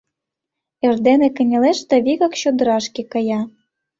Эрдене кынелеш да вигак чодырашке кая.